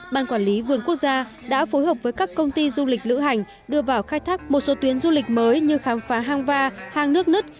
ban quản lý vườn quốc gia đã phối hợp với các công ty du lịch lữ hành đưa vào khai thác một số tuyến du lịch mới như khám phá hang va ha hang nước nứt